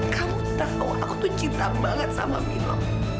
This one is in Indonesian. kamu tahu aku tuh cinta banget sama mino